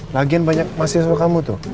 lagian banyak masih suka kamu tuh